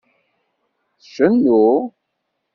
Tcennu?